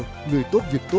hoặc gửi thư về địa chỉ